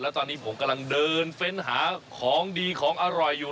ตอนนี้ผมกำลังเดินเฟ้นหาของดีของอร่อยอยู่